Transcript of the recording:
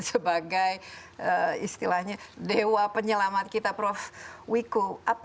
sebagai istilahnya dewa penyelamat kita prof wiku